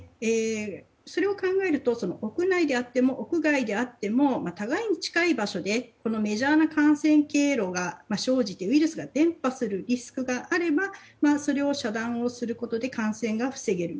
それを考えると屋内であっても屋外であっても互いに近い場所でメジャーな感染経路が生じてウイルスが伝播するリスクがあればそれを遮断することで感染が防げる。